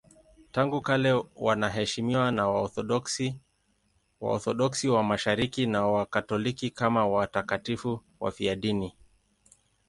Tangu kale wanaheshimiwa na Waorthodoksi, Waorthodoksi wa Mashariki na Wakatoliki kama watakatifu wafiadini.